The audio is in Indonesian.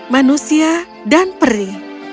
manusia dan peri